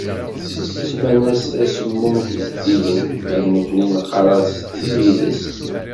Semman-as tasemmumt zeddigen, ma d nekni neqqar-as tibidest.